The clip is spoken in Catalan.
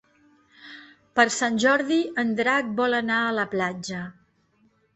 Per Sant Jordi en Drac vol anar a la platja.